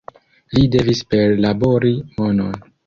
Li devis perlabori monon.